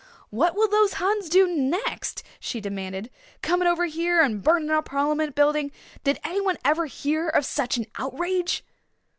"What will those Huns do next?" she demanded. "Coming over here and burning our Parliament building! Did anyone ever hear of such an outrage?"